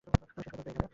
তুমি শেষ পর্যন্ত এখানে।